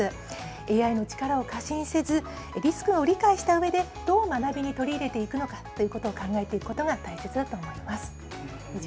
ＡＩの力を過信せずリスクを理解したうえでどう学びに取り入れていくのかということを考えていくことが大切だと思います。